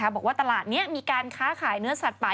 บอกว่าตลาดนี้มีการค้าขายเนื้อสัตว์ป่า